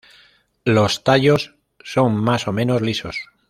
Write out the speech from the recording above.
Los tallos son más o menos lisos.